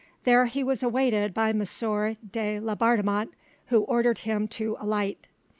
There he was awaited by M. de Laubardemont, who ordered him to alight.